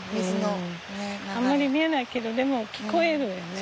あんまり見えないけどでも聞こえるよね。